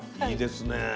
いいですね。